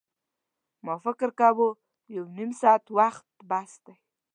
ما فکر کاوه یو نیم ساعت وخت بس دی.